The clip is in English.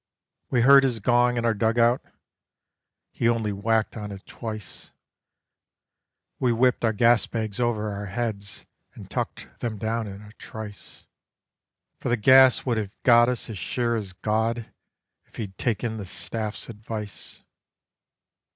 We heard his gong in our dugout he only whacked on it twice We whipped our gas bags over our heads and tucked them down in a trice. For the gas would have got us as sure as God if he'd taken the Staff's advice!"